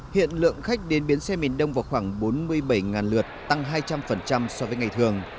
hiện lượng khách đến biến xe miền đông vào khoảng bốn mươi bảy lượt tăng hai trăm linh so với ngày thường